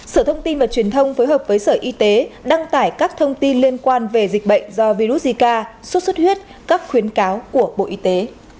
sở thông tin và truyền thông phối hợp với sở y tế đăng tải các thông tin liên quan về dịch bệnh do virus zika sốt xuất huyết các khuyến cáo của bộ y tế